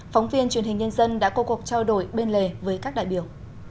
phóng viên truyền hình nhân dân đã có cuộc trao đổi bên lề với các đại biểu